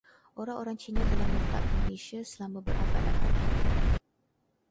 Orang-orang Cina telah menetap di Malaysia selama berabad-abad.